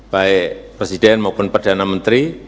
baik presiden maupun perdana menteri